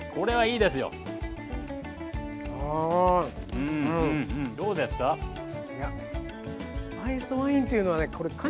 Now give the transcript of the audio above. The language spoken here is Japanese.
いやスパイスワインっていうのはね